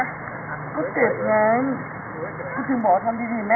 ขอบคุณที่ทำดีดีกับแม่ของฉันหน่อยครับ